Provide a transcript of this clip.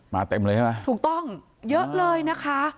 เต็มเลยใช่ไหมถูกต้องเยอะเลยนะคะ